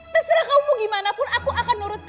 terserah kamu mau gimana pun aku akan nurut